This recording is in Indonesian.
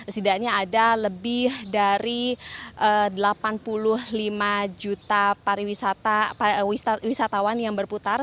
setidaknya ada lebih dari delapan puluh lima juta wisatawan yang berputar